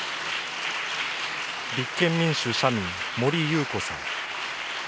立憲民主・社民、森ゆうこさん。